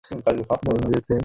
ওর হাত থেকে আমাকে বাঁচাও!